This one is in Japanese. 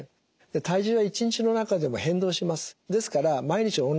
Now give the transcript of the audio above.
体重は一日の中でも変動します。